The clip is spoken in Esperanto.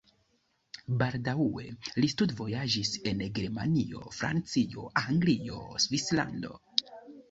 Baldaŭe li studvojaĝis en Germanio, Francio, Anglio, Svislando.